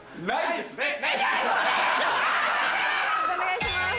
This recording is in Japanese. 判定お願いします。